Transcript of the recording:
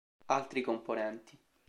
Altri componenti